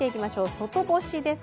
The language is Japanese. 外干しです。